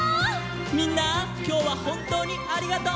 みんなきょうはほんとうにありがとう！